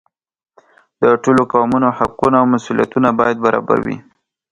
د ټولو قومونو حقونه او مسؤلیتونه باید برابر وي.